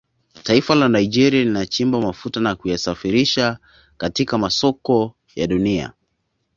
Taifa la Nigeria linachimba mafuta na kuyasafirisha katika masoko ya Dunia